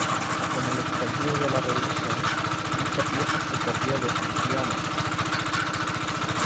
Con el estallido de la Revolución, dicha pieza se perdió definitivamente.